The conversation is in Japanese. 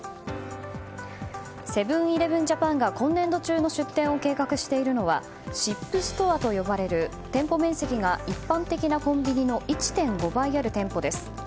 セブン‐イレブン・ジャパンが今年度中の出店を計画しているのはＳＩＰストアと呼ばれる店舗面積が一般的なコンビニの１．５倍ある店舗です。